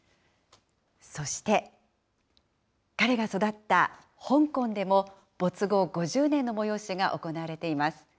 そして、彼が育った香港でも、没後５０年の催しが行われています。